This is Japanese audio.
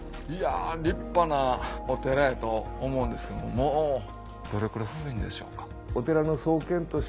立派なお寺やと思うんですけどどれくらい古いんでしょうか？